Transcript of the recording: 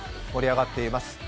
盛り上がっています